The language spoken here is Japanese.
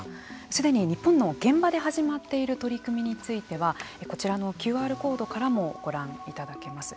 すでに日本の現場で始まっている取り組みについてはこちらのＱＲコードからもご覧いただけます。